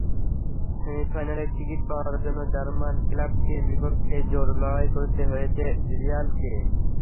সেমিফাইনালের টিকিট পাওয়ার জন্য জার্মান ক্লাবটির বিপক্ষেই জোর লড়াই করতে হয়েছে রিয়ালকে।